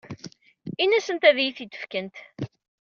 Ini-asent ad iyi-t-id-fkent.